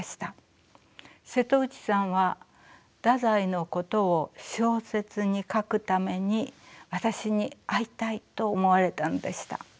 瀬戸内さんは太宰のことを小説に書くために私に会いたいと思われたのでした。